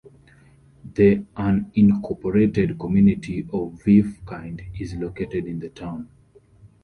The unincorporated community of Veefkind is located in the town.